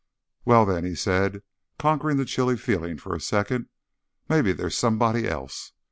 "Well, then," he said, conquering the chilly feeling for a second, "maybe there's somebody else.